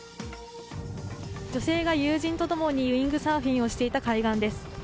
女性が友人と共にウィングサーフィンをしていた海上です。